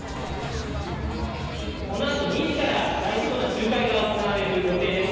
このあと２時から大規模な集会が行われる予定です。